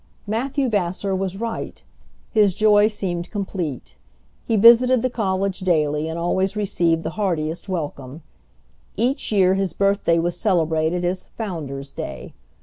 Matthew Vassar was right. His joy seemed complete. He visited the college daily, and always received the heartiest welcome. Each year his birthday was celebrated as "Founder's Day."